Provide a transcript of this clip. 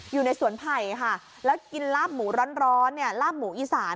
อยู่ในสวนไผ่ค่ะแล้วกินลาบหมูร้อนเนี่ยลาบหมูอีสาน